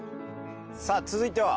さあ続いては？